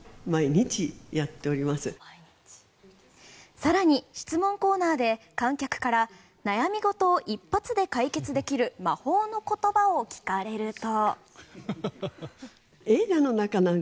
更に、質問コーナーで観客から悩み事を一発で解決できる魔法の言葉を聞かれると。